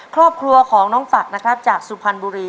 ครอบครัวของน้องฝักนะครับจากสุพรรณบุรี